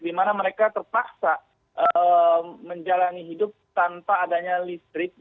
di mana mereka terpaksa menjalani hidup tanpa adanya listrik